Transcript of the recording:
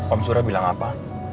om surah bilang apa